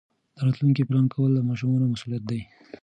د راتلونکي پلان کول د ماشومانو مسؤلیت دی.